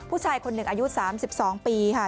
ผู้ชายคนหนึ่งอายุ๓๒ปีค่ะ